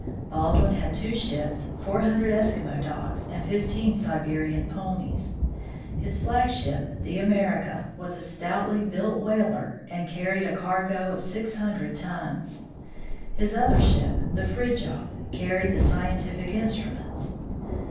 Baldwin had two ships, four hundred Eskimo dogs, and fifteen Siberian ponies. His flagship, the America, was a stoutly built whaler and carried a cargo of six hundred tons. His other ship, the Fridtjof, carried the scientific instruments.